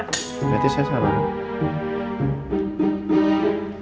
berarti saya salah